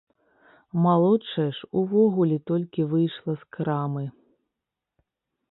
Малодшая ж увогуле толькі выйшла з крамы.